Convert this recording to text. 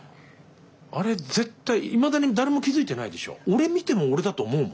あれ絶対いまだに誰も気付いてないでしょ。